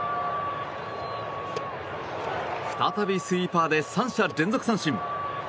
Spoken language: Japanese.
再びスイーパーで３者連続三振。